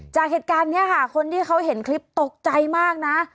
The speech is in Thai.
จากเหตุการณ์นี้ค่ะคนที่เขาเห็นคลิปตกใจมากนะ